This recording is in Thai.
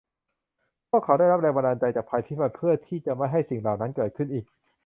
พวกเขาได้รับแรงบันดาลใจจากภัยพิบัติเพื่อที่จะไม่ให้สิ่งเหล่านั้นเกิดขึ้นอีก